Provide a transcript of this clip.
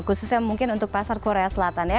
khususnya mungkin untuk pasar korea selatan ya